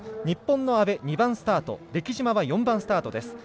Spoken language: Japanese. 日本の阿部は２番スタート出来島は４番スタート。